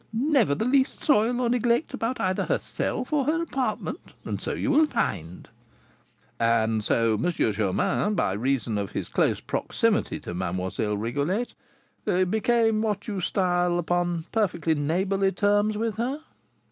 Never the least soil or neglect about either herself or her apartment, and so you will find." "And so M. Germain, by reason of his close proximity to Mlle. Rigolette, became what you style upon perfectly neighbourly terms with her?"